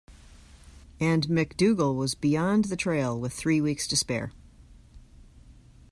And MacDougall was beyond the trail, with three weeks to spare.